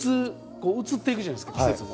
移っていくじゃないですか季節も。